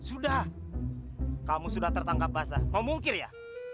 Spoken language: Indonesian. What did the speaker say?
sudah kamu sudah tertangkap basah mau mungkir ya